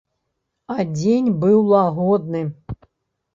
А дзень быў лагодны.